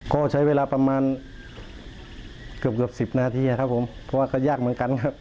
ก็ใช้เวลาประมาณเกือบเกือบสิบนาทีครับผมเพราะว่าก็ยากเหมือนกันครับ